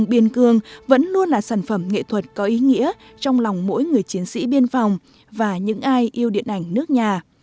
biên cương vẫn luôn là sản phẩm nghệ thuật có ý nghĩa trong lòng mỗi người chiến sĩ biên phòng và những ai yêu điện ảnh nước nhà